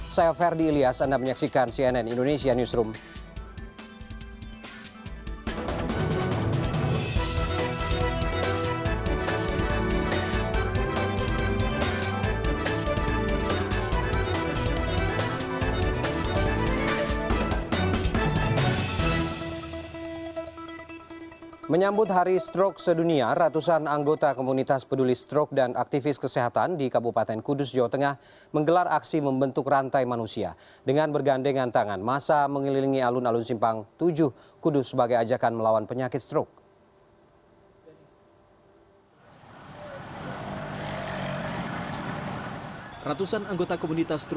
saya ferdi ilyas anda menyaksikan cnn indonesia newsroom